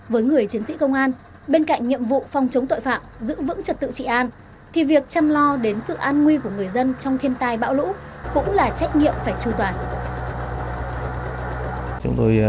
với người chiến sĩ công an bên cạnh nhiệm vụ phòng chống tội phạm giữ vững trật tự trị an thì việc chăm lo đến sự an nguy của người dân trong thiên tai bão lũ cũng là trách nhiệm phải tru toàn